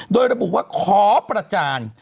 โดยระบุว่าขอประจาน